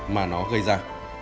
mà nó gây ra